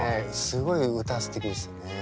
すごい歌すてきですね。